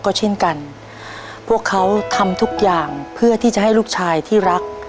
ก็เช่นกันพวกเขาทำทุกอย่างเพื่อที่จะให้ลูกชายที่รัก